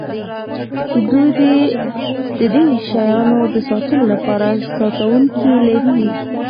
دوی د دې شیانو د ساتلو لپاره ساتونکي لري